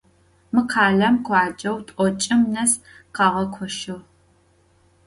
Mı khalem khuaceu t'oç'ım nes khağekoşığ.